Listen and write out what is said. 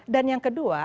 dan yang kedua